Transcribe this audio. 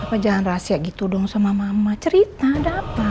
apa jangan rahasia gitu dong sama mama cerita ada apa